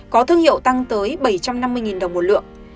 có thương hiệu tăng tới bảy trăm năm mươi đồng một lượng